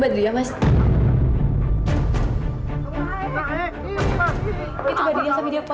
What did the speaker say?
jangan kabur jangan kabur